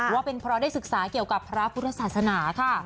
ว่าเป็นเพราะได้ศึกษาเกี่ยวกับพระพุทธศาสนาค่ะ